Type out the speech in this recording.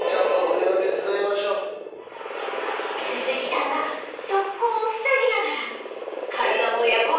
鈴木さんが側溝を塞ぎながらカルガモ親子